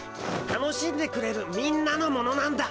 楽しんでくれるみんなのものなんだ。